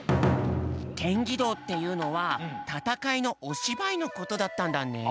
ケンギドーっていうのはたたかいのおしばいのことだったんだね。